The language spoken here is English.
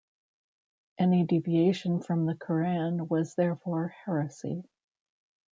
Any deviation from the Qur'an was therefore heresy.